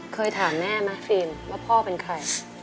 เคยถามแม่ไหมฟิล์มว่าพ่อเป็นใคร